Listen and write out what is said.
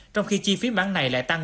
trong khi chi phí bán này lại tăng